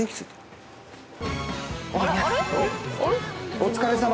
お疲れさま。